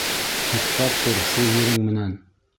Туҡтап тор шул ерең менән!